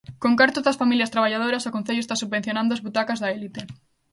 Con cartos das familias traballadoras, o Concello está subvencionando as butacas da elite.